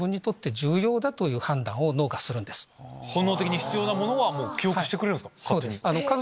本能的に必要なものは記憶してくれるんですか勝手に。